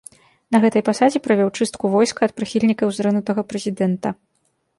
На гэтай пасадзе правёў чыстку войска ад прыхільнікаў зрынутага прэзідэнта.